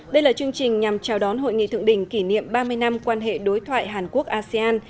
đây là chương trình nhằm chào đón hội nghị thượng đỉnh kỷ niệm ba mươi năm quan hệ đối thoại hàn quốc asean